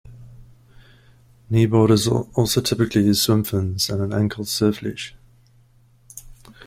Kneeboarders also typically use swimfins and an ankle surfleash.